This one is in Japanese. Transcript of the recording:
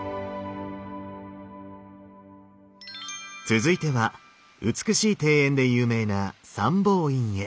続いては美しい庭園で有名な三宝院へ。